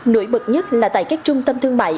nổi bật nhất là tại các trung tâm thương mại